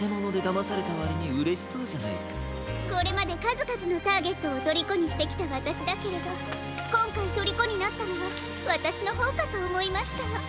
これまでかずかずのターゲットをとりこにしてきたわたしだけれどこんかいとりこになったのはわたしのほうかとおもいましたの。